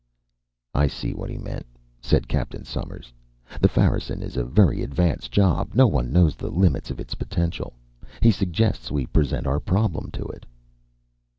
"I see what he meant," said Captain Somers. "The Fahrensen is a very advanced job. No one knows the limits of its potential. He suggests we present our problem to it."